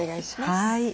はい。